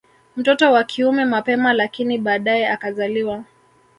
Mtoto wa kiume mapema lakini baadae akazaliwa